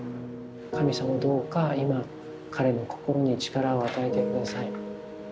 神様どうか今彼の心に力を与えて下さい。